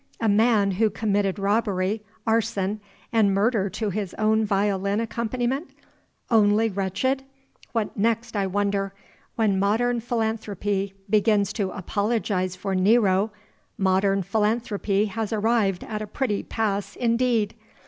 A man who committed robbery, arson and murder to his own violin accompaniment only wretched! What next, I wonder? When modern philanthropy begins to apologize for Nero, modern philanthropy has arrived at a pretty pass indeed!